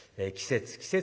季節